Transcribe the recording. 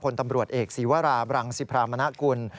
ตำรวจเอกศีวราบรังสิพรามณกุล